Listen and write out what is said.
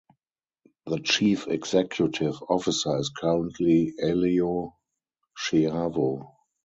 The Chief Executive Officer is currently Elio Shiavo.